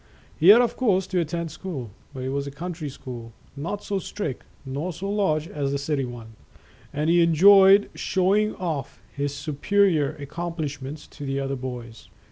He had of course to attend school, but it was a country school, not so strict nor so large as the city one, and he enjoyed show ing off his superior accomplishments to the other boys.